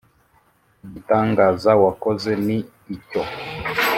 igitangaza wakoze ni icyo.